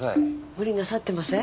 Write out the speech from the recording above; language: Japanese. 無理なさってません？